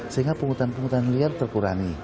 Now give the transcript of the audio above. sehingga penghutang penghutang nilai terkurani